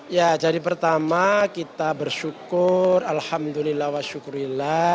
ya jadi pertama kita bersyukur alhamdulillah wa syukurillah